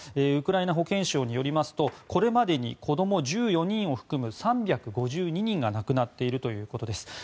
ウクライナ保健省によりますとこれまでに子供１４人を含む３５２人が亡くなっているということです。